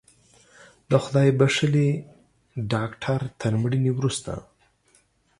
د خدای بښلي ډاکتر تر مړینې وروسته